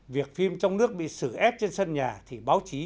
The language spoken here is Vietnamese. việc phim trong nước bị xử ép trên sân nhà thì báo chí